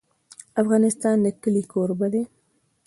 افغانستان د کلي کوربه دی.